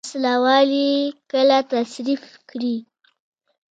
وسله وال یې کله تصرف کړي.